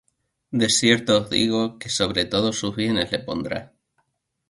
De cierto os digo, que sobre todos sus bienes le pondrá.